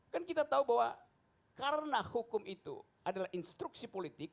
kan kita tahu bahwa karena hukum itu adalah instruksi politik